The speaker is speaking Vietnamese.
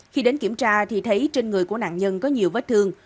khi đến kiểm tra thì thấy trên người của nạn nhân có nhiều vết thương